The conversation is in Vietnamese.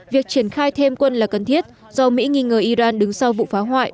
việc triển khai thêm quân là cần thiết do mỹ nghi ngờ iran đứng sau vụ phá hoại